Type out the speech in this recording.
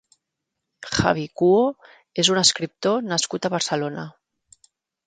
Javi Cuho és un escriptor nascut a Barcelona.